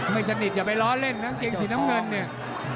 ไม่สนิทอย่าไปล้อเล่นนะเกงสีน้ำเงินเนี่ย